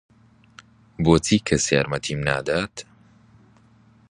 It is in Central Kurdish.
بۆچی کەس یارمەتیم نادات؟